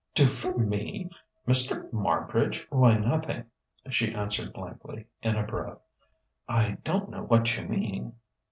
"Do for me? Mr. Marbridge? Why, nothing," she answered blankly, in a breath. "I don't know what you mean."